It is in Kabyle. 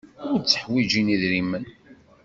Ur tteḥwijin idrimen.